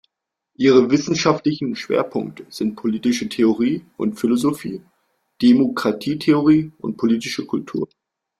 Ihre wissenschaftlichen Schwerpunkte sind politische Theorie und Philosophie, Demokratietheorie und Politische Kultur.